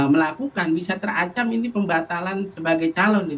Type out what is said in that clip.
melakukan bisa terancam ini pembatalan sebagai calon